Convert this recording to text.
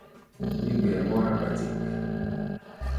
Mí gbɛɛ mbɔ́rá gbatik.